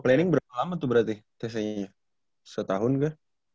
planning berapa lama tuh berarti cc nya setahun gak